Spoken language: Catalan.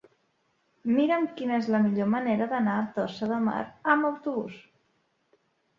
Mira'm quina és la millor manera d'anar a Tossa de Mar amb autobús.